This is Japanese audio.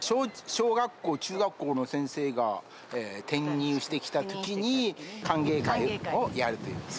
小学校、中学校の先生が転任してきたときに歓迎会をやるっていう。